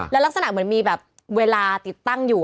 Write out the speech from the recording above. แล้วลักษณะเหมือนมีแบบเวลาติดตั้งอยู่